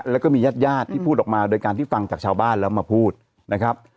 แล้วก็มีญาติญาติที่พูดออกมาโดยการที่ฟังจากชาวบ้านแล้วมาพูดนะครับ